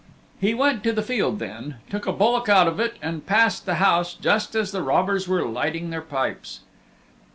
He went to the field then, took a bullock out of it, and passed the house just as the robbers were lighting their pipes.